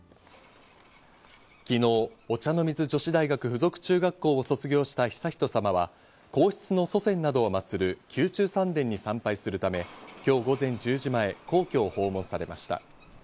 昨日、お茶の水女子大学附属中学校を卒業した悠仁さまは皇室の祖先などをまつる宮中三殿に参拝するため、今日午前１０時前、皇居を訪問されました。